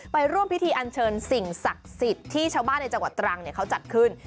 ร่วมพิธีอันเชิญสิ่งศักดิ์สิทธิ์ที่ชาวบ้านในจังหวัดตรังเขาจัดขึ้น